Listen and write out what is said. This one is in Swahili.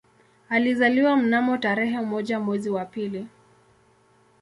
Alizaliwa mnamo tarehe moja mwezi wa pili